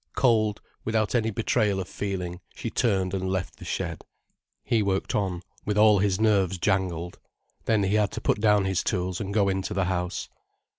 Cold, without any betrayal of feeling, she turned and left the shed. He worked on, with all his nerves jangled. Then he had to put down his tools and go into the house.